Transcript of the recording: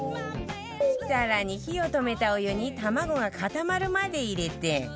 更に火を止めたお湯に卵が固まるまで入れて